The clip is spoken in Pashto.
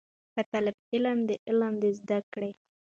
که طالب العلم د علم د زده کړې